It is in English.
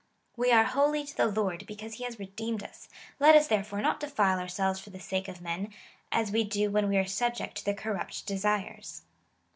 " We are holy to the Lord, because he has redeemed us : let us, there fore, not defile ourselves for the sake of men, as we do when we are subject to their corrupt desires."